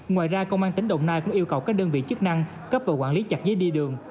ngoài ra công an tỉnh đồng nai cũng yêu cầu các đơn vị chức năng cấp và quản lý chặt giấy đi đường